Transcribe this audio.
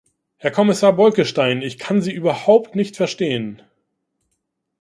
Herr Kommissar Bolkestein, ich kann Sie überhaupt nicht verstehen!